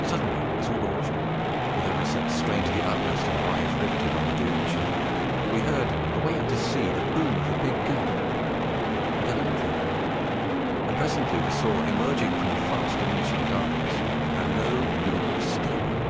"Suddenly as we watched, with every sense strained to the utmost, and our eyes rivetted on the doomed ship, we heard away out to sea the boom of a big gun, and then another, and presently we saw emerging from the fast diminishing darkness a low, long steamer.